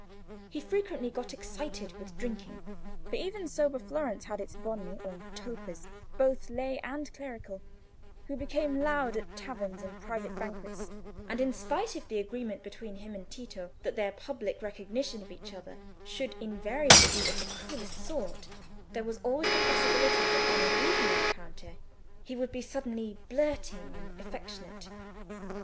He frequently got excited with drinking, for even sober Florence had its "Beoni," or topers, both lay and clerical, who became loud at taverns and private banquets; and in spite of the agreement between him and Tito, that their public recognition of each other should invariably be of the coolest sort, there was always the possibility that on an evening encounter he would be suddenly blurting and affectionate.